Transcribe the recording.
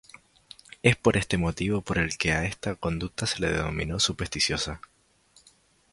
Es por este motivo por el que a esta conducta se le denominó supersticiosa.